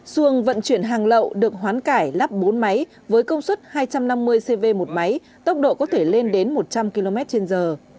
xuồng vận chuyển hàng lậu được hoán cải lắp bốn máy với công suất hai trăm năm mươi cv một máy tốc độ có thể lên đến một trăm linh km trên giờ